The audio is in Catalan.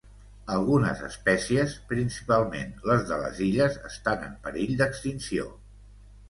Algunes espècies, principalment les de les illes, estan en perill d'extinció.